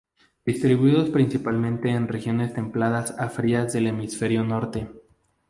Distribuidos principalmente en regiones templadas a frías del Hemisferio Norte.